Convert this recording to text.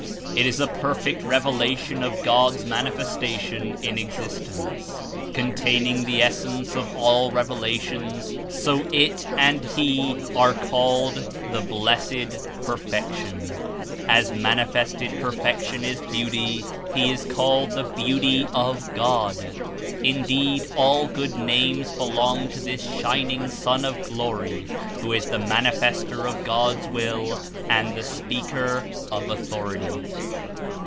It is a perfect Revelation of God's Manifestation in Exist ence, containing the essence of all revelations; so It and He are called *'The Blessed Perfection." As manifested perfection Is beauty. He Is called the Beauty of God. Indeed, all good names belong to this shining Sun of Glory, who is the Manlfestor of God's Will and the Speaker of Authority.